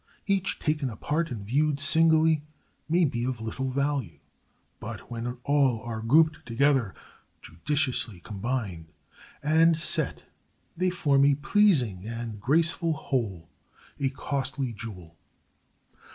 Each taken apart and viewed singly may be of little value; but when all are grouped together, judiciously combined, and set they form a pleasing and graceful whole, a costly jewel.